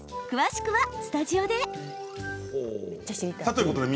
詳しくはスタジオで。